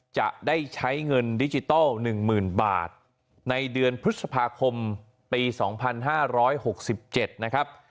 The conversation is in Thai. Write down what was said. จะได้ใช้เงินดิจิทัล๑๐๐๐บาทในเดือนพฤษภาคมปี๒๕๖๗นะครับ